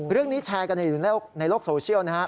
เรื่องนี้แชร์กันอยู่ในโลกโซเชียลนะครับ